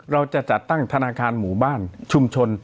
เราจะจัดตั้งธนาคารหมู่บ้านชุมชน